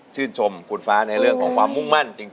ชื่นชมคุณฟ้าในเรื่องของความมุ่งมั่นจริง